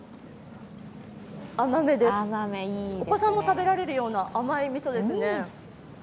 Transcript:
甘めです、お子さんも食べられるような、甘いみそですね。